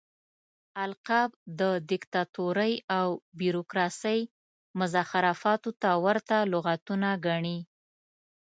القاب د ديکتاتورۍ او بيروکراسۍ مزخرفاتو ته ورته لغتونه ګڼي.